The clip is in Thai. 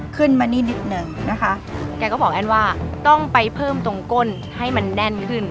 ขึ้นมานี่นิดนึงนะคะแกก็บอกแอ้นว่าต้องไปเพิ่มตรงก้นให้มันแน่นขึ้น